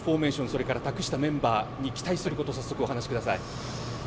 それから、託したメンバーに期待すること、お話しください。